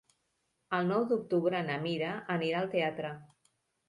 El nou d'octubre na Mira anirà al teatre.